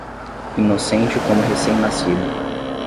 Inocente como recém-nascido.